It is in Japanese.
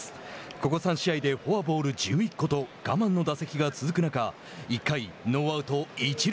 ここ３試合でフォアボール１１個と我慢の打席が続く中１回、ノーアウト、一塁。